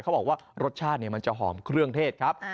เขาบอกว่ารสชาติมันจะหอมเครื่องเทศครับ